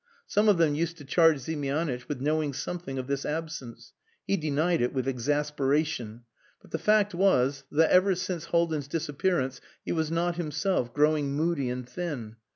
Some of them used to charge Ziemianitch with knowing something of this absence. He denied it with exasperation; but the fact was that ever since Haldin's disappearance he was not himself, growing moody and thin.